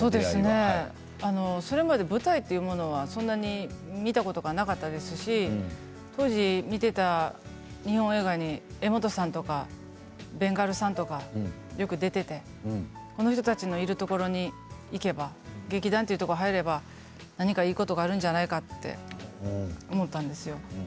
それまで舞台っていうのはそんなに見たことがなかったですし当時、見ていた日本映画に柄本さんとかベンガルさんとかよく出ていてこの人たちのいるところに行けば劇団というところに入れば何かいいことがあるんじゃないかって思ったんですよ。